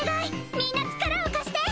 みんな力を貸して！